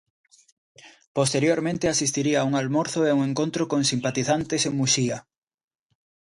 Posteriormente asistiría a un almorzo e un encontro con simpatizantes en Muxía.